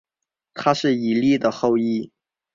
他是以利的后裔。